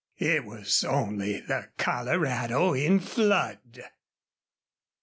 It was only the Colorado in flood.